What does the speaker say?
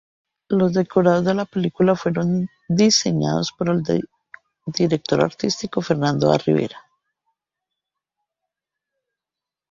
Los decorados de la película fueron diseñados por el director artístico Fernando A. Rivero.